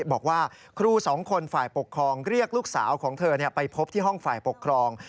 บอกว่าครูสองคนฝ่ายปกครองเรียกลูกสาวของเธอไปพบที่ห้องฝ่ายปกครอง